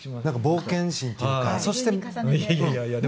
冒険心というかね。